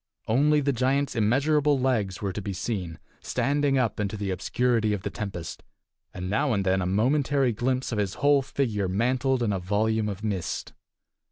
Only the giant's immeasurable legs were to be seen, standing up into the obscurity of the tempest, and now and then a momentary glimpse of his whole figure mantled in a volume of mist.